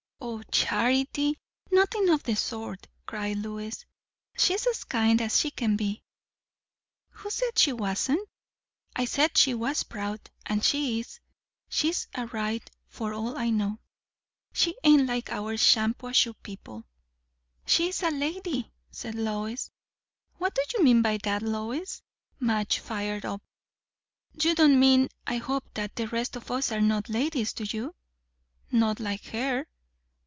"O Charity! nothing of the sort," cried Lois. "She is as kind as she can be." "Who said she wasn't? I said she was proud, and she is. She's a right, for all I know; she ain't like our Shampuashuh people." "She is a lady," said Lois. "What do you mean by that, Lois?" Madge fired up. "You don't mean, I hope, that the rest of us are not ladies, do you?" "Not like her."